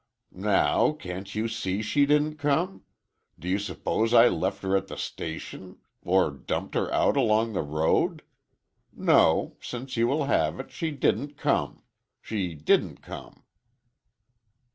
"Now can't you see she didn't come? Do you s'pose I left her at the station? Or dumped her out along the road? No—since you will have it, she didn't come. She didn't come!"